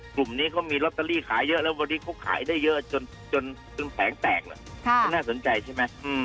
กลุ่มนี้เขามีลอตเตอรี่ขายเยอะแล้ววันนี้เขาขายได้เยอะจนแผงแตกน่าสนใจใช่ไหม